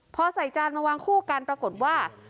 พอใส่จานมาวางคู่กันปรากฏว่า